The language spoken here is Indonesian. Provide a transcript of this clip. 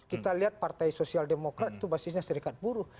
kita lihat partai sosial demokrat itu basisnya serikat buruh